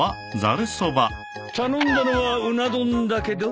頼んだのはうな丼だけど？